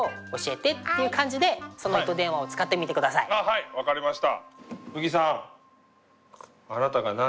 はい分かりました。